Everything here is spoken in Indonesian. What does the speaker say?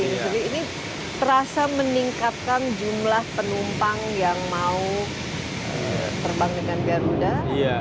jadi ini terasa meningkatkan jumlah penumpang yang mau terbang dengan garuda